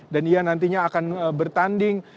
dan ia nantinya akan bertanding